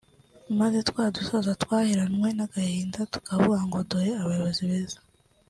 maze twa dusaza twaheranywe n’agahinda tukavuga ngo dore abayobozi beza